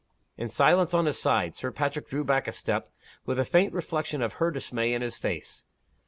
In silence, on his side, Sir Patrick drew back a step, with a faint reflection of her dismay in his face.